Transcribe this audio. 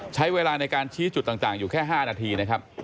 ใช้เวลาในการชี้จุดต่างอยู่แค่๕นาทีนะครับ